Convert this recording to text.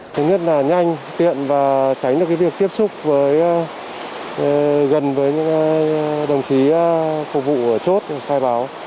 thứ nhất là nhanh tiện và tránh được việc tiếp xúc với gần với những đồng chí phục vụ ở chốt khai báo